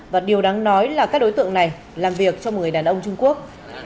và điều đáng nói là các đối tượng này làm việc cho một người đàn ông trung quốc